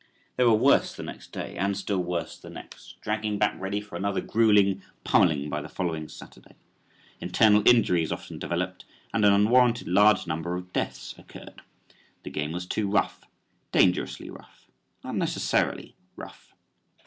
They were worse the next day and still worse the next, dragging back ready for another gruelling pummelling by the following Saturday. Internal injuries often developed and an unwarranted large number of deaths occurred. The game was too rough; dangerously rough; unnecessarily rough.